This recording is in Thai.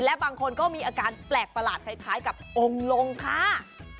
และบางคนก็มีอาการแปลกประหลาดคล้ายกับองค์ลงค่ะ